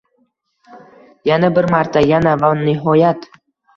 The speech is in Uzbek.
Yana bir marta… Yana… Va nihoyat: